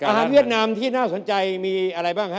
อาหารเวียดนามน่าสนใจอะไรบ้าง